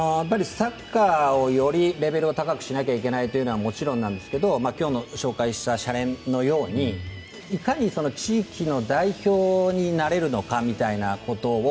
サッカーのレベルをより高くしなきゃいけないのはもちろんなんですけど今日の紹介した「シャレン！」のようにいかに地域の代表になれるのかみたいなことを